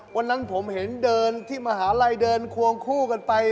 วันนั้นผมเห็นเดินที่มหาลัยเดินควงคู่กันไป